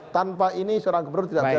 tanpa ini seorang gubernur tidak tahu